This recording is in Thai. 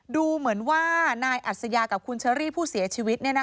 ดูเหมือนว่านายอัศยากับคุณเชอรี่ผู้เสียชีวิต